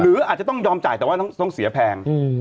อาจจะต้องยอมจ่ายแต่ว่าต้องเสียแพง